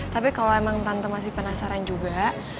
tapi kalau emang tante masih penasaran juga